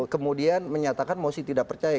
kemudian menyatakan mosi tidak percaya